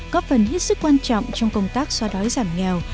có phần hết sức quan trọng trong công tác xóa đói giảm nghèo